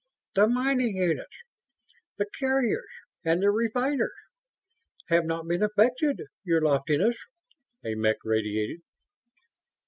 "The mining units, the carriers and the refiners have not been affected, Your Loftiness," a mech radiated.